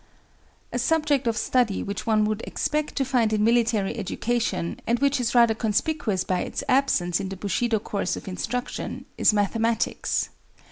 A subject of study which one would expect to find in military education and which is rather conspicuous by its absence in the Bushido course of instruction, is mathematics.